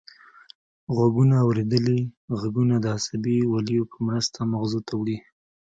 غوږونه اوریدلي غږونه د عصبي ولیو په مرسته مغزو ته وړي